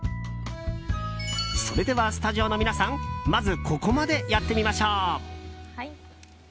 それでは、スタジオの皆さんまずはここまでやってみましょう。